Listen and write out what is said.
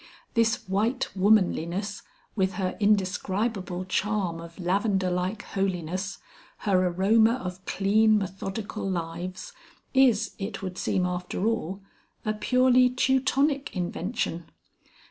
This white womanliness with her indescribable charm of lavender like holiness, her aroma of clean, methodical lives, is, it would seem after all, a purely Teutonic invention.